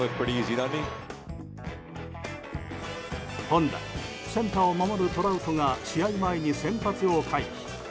本来センターを守るトラウトが試合前に先発を回避。